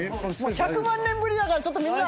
１００万年ぶりだからみんな。